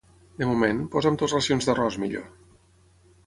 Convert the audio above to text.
De moment, posa'm dues racions d'arròs, millor.